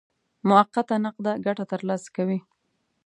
موقته نقده ګټه ترلاسه کوي.